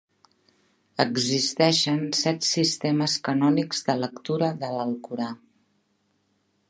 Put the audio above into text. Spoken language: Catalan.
Existeixen set sistemes canònics de lectura de l'Alcorà.